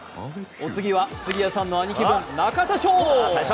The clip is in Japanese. お次は杉谷さんの兄貴分中田翔！